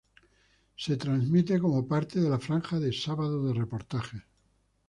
Se transmite como parte de la franja de Sábado de Reportajes.